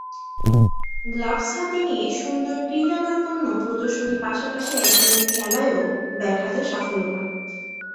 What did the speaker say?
Gloves হাতে নিয়ে সুন্দর ক্রীড়া নৈপুণ্য প্রদর্শনের পাশাপাশি একদিনের খেলায়ও ব্যাট হাতে সাফল্য পান।